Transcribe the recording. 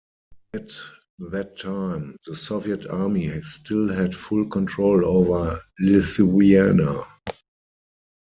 At that time, the Soviet army still had full control over Lithuania.